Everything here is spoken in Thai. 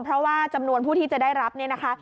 เพราะว่าจำนวนผู้ที่จะได้รับเนี่ยนะคะ